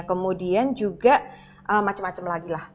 kemudian juga macam macam lagi lah